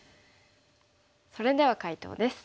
それでは解答です。